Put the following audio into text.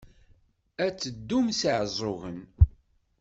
Ad teddum s Iɛeẓẓugen?